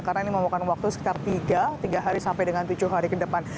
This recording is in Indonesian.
karena ini memakan waktu sekitar tiga hari sampai dengan tujuh hari ke depan